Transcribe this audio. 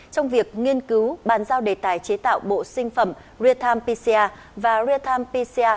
trong việc nghiên cứu bàn giao đề tài chế tạo bộ sinh phẩm rietam pca và rietam pca